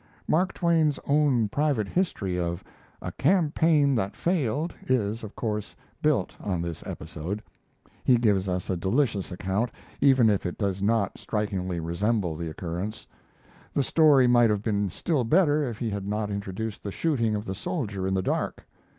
Mark Twain's own Private History of a 'Campaign that Failed' is, of course, built on this episode. He gives us a delicious account, even if it does not strikingly resemble the occurrence. The story might have been still better if he had not introduced the shooting of the soldier in the dark.